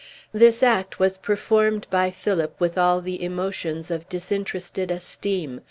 This act was performed by Philip with all the emotions of disinterested esteem.